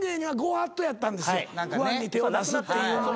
ファンに手を出すっていうのは。